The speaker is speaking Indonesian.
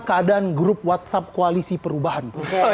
keadaan grup whatsapp koalisi perubahan